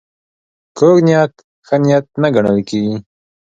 کوږ نیت ښه نیت نه ګڼل کېږي